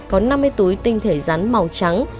có năm mươi túi tinh thể rắn màu trắng